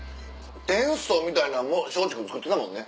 天素みたいなんも松竹つくってたもんね。